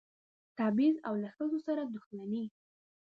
تبعیض او له ښځو سره دښمني.